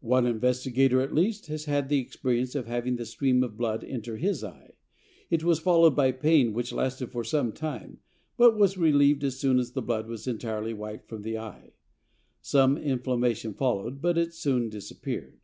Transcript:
One investigator, at least, has had the experience of having the stream of blood enter his eye. It was followed by pain which lasted for some time, but was relieved as soon as the blood was entirely wiped from the eye. Some inflammation followed, but soon it disappeared.